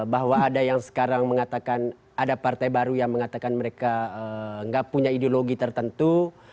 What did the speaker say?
bahwa ada yang sekarang mengatakan ada partai baru yang mengatakan mereka nggak punya ideologi tertentu